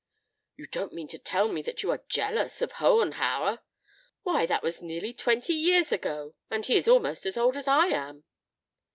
"You don't mean to tell me that you are jealous of Hohenhauer. Why, that was nearly twenty years ago, and he is almost as old as I am."